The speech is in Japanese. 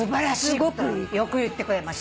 よく言ってくれました。